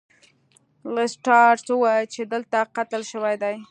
لیسټرډ وویل چې دلته قتل شوی دی.